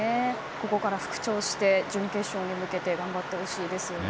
ここから復調して準決勝に向けて頑張ってほしいですよね。